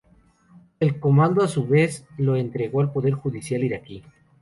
El comando a su vez lo entregó al poder judicial iraquí.